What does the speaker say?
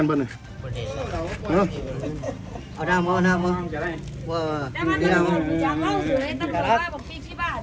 อันดับสุดท้ายก็คืออันดับสุดท้าย